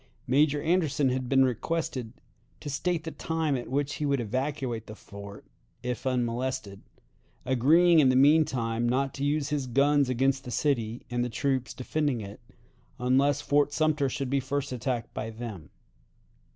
Major Anderson had been requested to state the time at which he would evacuate the fort, if unmolested, agreeing in the mean time not to use his guns against the city and the troops defending it unless Fort Sumter should be first attacked by them.